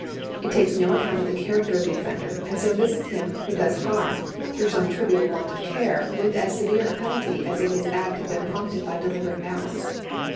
It takes no account of the cluiracter of the offender, and so visits him who does harm through some trivial want of care with as severe a penalty as if his act had been prompted by deliberate malice.